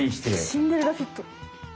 シンデレラフィット！